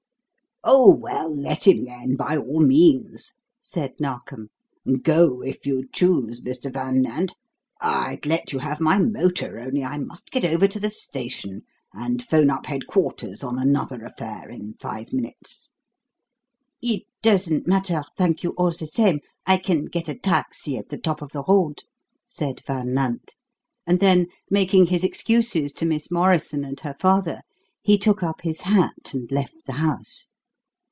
"Oh, well, let him then, by all means," said Narkom. "Go, if you choose, Mr. Van Nant. I'd let you have my motor, only I must get over to the station and 'phone up headquarters on another affair in five minutes." "It doesn't matter, thank you all the same. I can get a taxi at the top of the road," said Van Nant; and then, making his excuses to Miss Morrison and her father, he took up his hat and left the house.